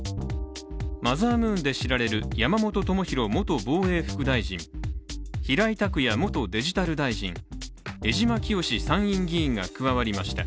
マザームーンで知られる山本朋広元防衛副大臣平井卓也元デジタル大臣、江島潔参院議員が加わりました。